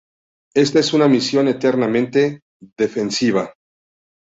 Esta es una misión enteramente defensiva.